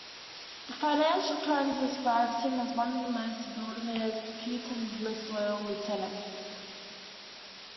The "Financial Times" describes him as one of Vladimir Putin's "most loyal lieutenants".